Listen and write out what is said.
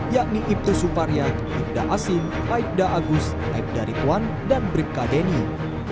yakni ibtus suparyak ibtas asim aibda agus aibda ritwan dan brikka deniw